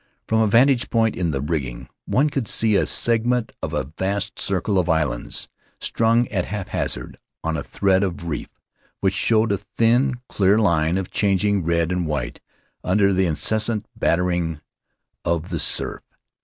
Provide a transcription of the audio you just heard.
From a vantage point in the rigging one could see a segment of a vast circle of islands strung at haphazard on a thread of reef which showed a thin, clear line of changing red and white under the incessant battering of the surf.